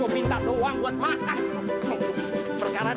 gue minta doang buat makan